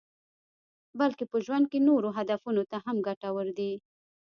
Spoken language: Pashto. بلکې په ژوند کې نورو هدفونو ته هم ګټور دي.